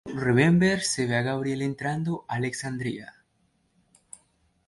En el episodio "Remember", se ve a Gabriel entrando a Alexandria.